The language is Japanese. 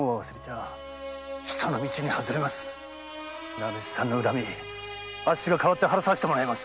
名主様の恨みあっしが代わって晴らさしてもらいます。